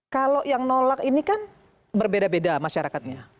kalau yang nolak ini kan berbeda beda masyarakatnya